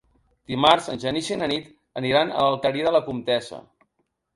Dimarts en Genís i na Nit aniran a l'Alqueria de la Comtessa.